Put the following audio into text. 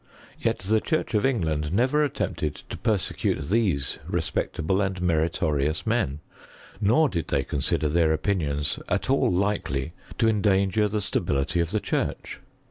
Yet, the church of ■ England never attempted to peraecute these re ■pectabiti and meritorious men, nor did they con sider their opinions as at all likely to endanger ths stability of the church.